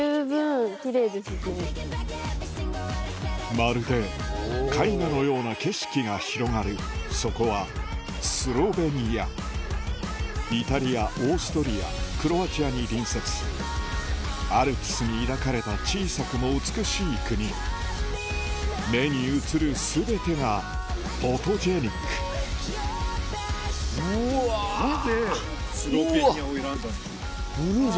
まるで絵画のような景色が広がるそこはスロベニアイタリアオーストリアクロアチアに隣接アルプスに抱かれた小さくも美しい国目に映る全てがフォトジェニックなぜスロベニアを選んだんです？